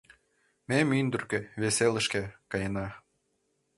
Ме мӱндыркӧ, вес элышке, каена.